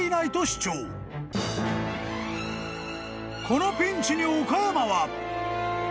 ［このピンチに岡山は］